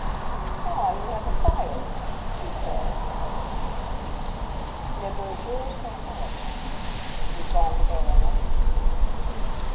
"Ah, you have a fire," he said. "Les beaux jours sont passés," replied the Baroness.